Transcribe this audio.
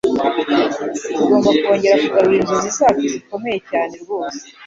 Tugomba kongera kugarura inzozi zacu zikomeye cyane rwose